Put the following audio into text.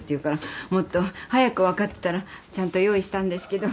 もっと早く分かってたらちゃんと用意したんですけど。